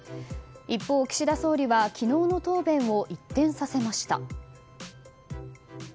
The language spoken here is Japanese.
一方、岸田総理は昨日の答弁を一変させました。